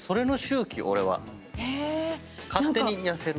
勝手に痩せる。